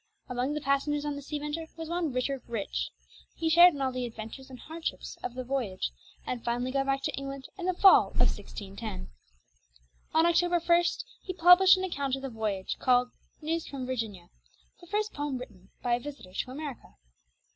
Among the passengers on the Sea Venture was one Richard Rich. He shared in all the adventures and hardships of the voyage, and finally got back to England in the fall of 1610. On October 1 he published an account of the voyage, called "Newes from Virginia," the first poem written by a visitor to America.